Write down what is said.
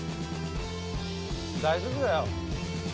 大丈夫だよ。